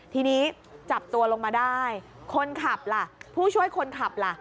ทีนี้จับตัวลงมาได้คนขับล่ะผู้ช่วยคนขับล่ะ